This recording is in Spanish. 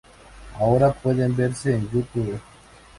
Ahora pueden verse en "Youtube".